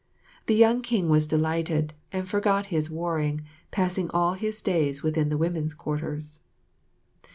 The young King was delighted, and forgot his warring, passing all his days within the women's quarters.